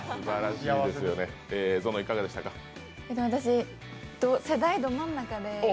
私、世代ど真ん中で